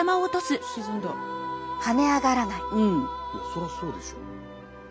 そらそうでしょ。